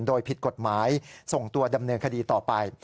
โดยผิดกฎหมายส่งตัวดำเนินคดีต่อไป